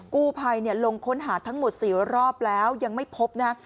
กู้ภัยลงค้นหาทั้งหมด๔รอบแล้วยังไม่พบนะฮะ